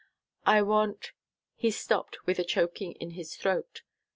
I want " he stopped with a choking in his throat.